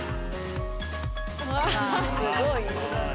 うわすごい。